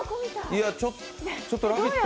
ちょっと「ラヴィット！」